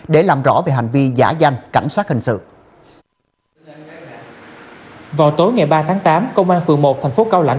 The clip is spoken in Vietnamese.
để lại bao cảm phục và nổi thương